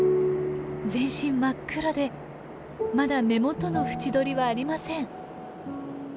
全身真っ黒でまだ目元の縁取りはありません。